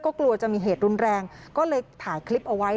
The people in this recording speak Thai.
กลัวจะมีเหตุรุนแรงก็เลยถ่ายคลิปเอาไว้